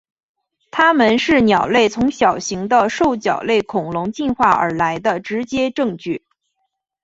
它们是鸟类从小型的兽脚类恐龙进化而来的直接证据。